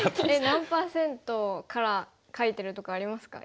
何パーセントから書いてるとかありますか？